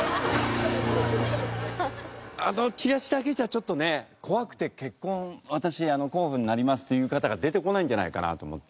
あのチラシだけじゃちょっとね怖くて結婚私候補になりますっていう方が出てこないんじゃないかなと思って。